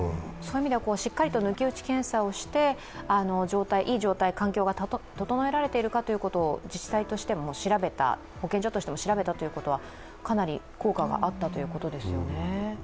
しっかりと抜き打ち検査をしていい状態、環境が整えられているか自治体としても調べた、保健所としても調べたということはかなり効果があったということですよね。